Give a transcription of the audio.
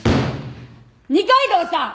二階堂さん！